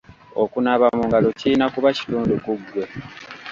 Okunaaba mu ngalo kirina kuba kitundu ku ggwe.